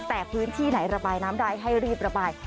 แต่พื้นที่ไหนระบายน้ำได้ให้รีบระบาย